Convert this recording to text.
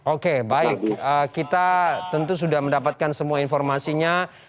oke baik kita tentu sudah mendapatkan semua informasinya